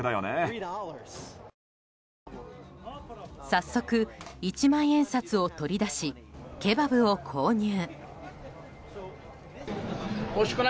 早速、一万円札を取り出しケバブを購入。